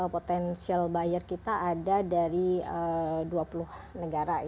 potensial buyer kita ada dari dua puluh negara ya